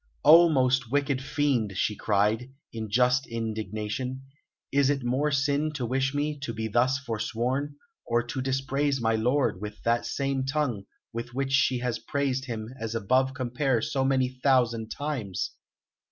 "Oh, most wicked fiend!" she cried, in just indignation. "Is it more sin to wish me to be thus forsworn, or to dispraise my lord with that same tongue with which she has praised him as above compare so many thousand times!